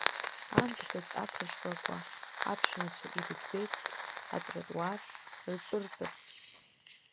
Аамҭаказ Аԥра шкәакәа аԥшәмацәа ирыӡбеит атротуар ртәыртәырц.